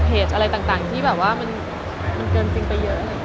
อะไรต่างที่แบบว่ามันเกินจริงไปเยอะ